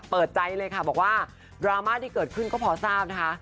เปิดใจเลยค่ะบอกว่าดราม่าที่เกิดขึ้นก็พอทราบนะคะ